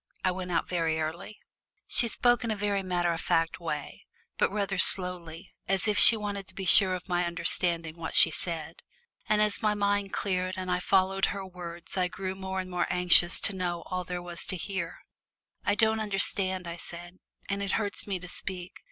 I went out very early." She spoke in a very matter of fact way, but rather slowly, as if she wanted to be sure of my understanding what she said. And as my mind cleared and I followed her words I grew more and more anxious to know all there was to hear. "I don't understand," I said, "and it hurts me to speak.